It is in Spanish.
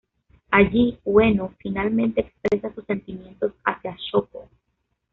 Allí, Ueno finalmente expresa sus sentimientos hacia Shoko.